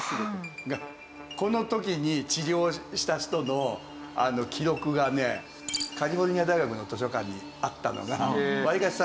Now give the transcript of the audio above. この時に治療した人の記録がねカリフォルニア大学の図書館にあったのがわりかし